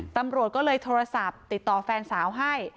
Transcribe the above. ตำรวจก็เลยโทรศัพท์ติดต่อแฟนสาวให้